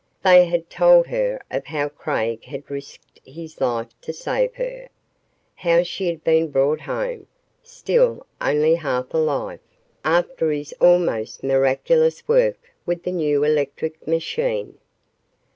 They had told her of how Craig had risked his life to save her, how she had been brought home, still only half alive, after his almost miraculous work with the new electric machine.